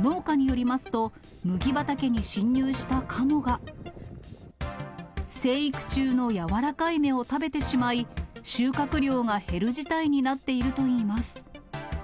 農家によりますと、麦畑に侵入したカモが、生育中の柔らかい芽を食べてしまい、収穫量が減る事態になっているといいます。